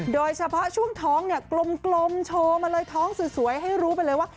โดยเฉพาะช่วงท้องเนี่ยกลมโชว์มาเลยท้องสวยให้รู้ไปเลยว่า